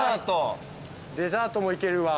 デザートもいけるわ。